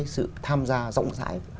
sự tham gia rộng rãi